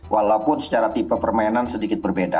walaupun secara tipe permainan sedikit berbeda